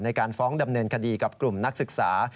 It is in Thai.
ในการฟ้องดำเนินคดีกับกลุ่มนักศึกษา